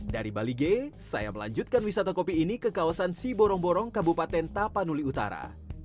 dari balige saya melanjutkan wisata kopi ini ke kawasan siborong borong kabupaten tapanuli utara